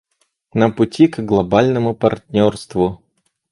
На пути к глобальному партнерству.